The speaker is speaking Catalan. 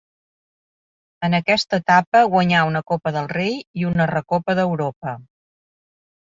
En aquesta etapa guanyà una Copa del Rei i una Recopa d'Europa.